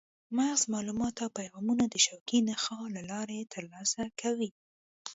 مغز معلومات او پیغامونه د شوکي نخاع له لارې ترلاسه کوي.